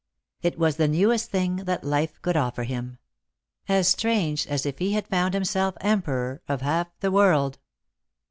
It was the newest thing that life could offer him ; as strange as if he had found himself emperor of half the world."